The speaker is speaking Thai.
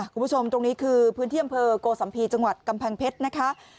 คุณผู้ชมตรงนี้คือพื้นที่อำเภอโกสัมภีร์จังหวัดกำแพงเพชรนะคะ